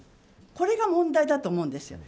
これが問題だと思うんです。